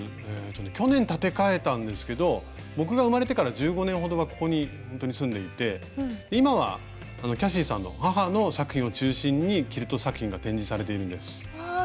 去年建て替えたんですけど僕が生まれてから１５年ほどはここにほんとに住んでいて今はキャシーさんの母の作品を中心にキルト作品が展示されているんです。